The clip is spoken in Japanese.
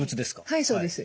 はいそうです。